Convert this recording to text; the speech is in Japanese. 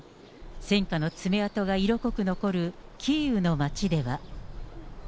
戦禍の爪痕が色濃く残るキーウの街では。